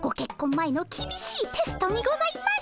前のきびしいテストにございます。